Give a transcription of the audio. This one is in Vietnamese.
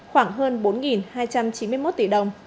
khoảng hơn bốn hai trăm chín mươi một tỷ đồng